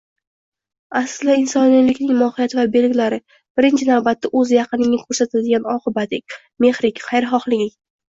Aslida, insonlikning mohiyati va belgilari, birinchi navbatda, oʻz yaqiningga koʻrsatadigan oqibating, mehring, xayrixohliging.